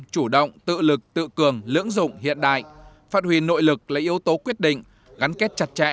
chủ động tự lực tự cường lưỡng dụng hiện đại phát huy nội lực là yếu tố quyết định gắn kết chặt chẽ